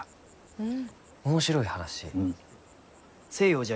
うん。